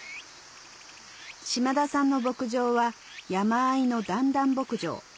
島田さんの牧場は山あいの段々牧場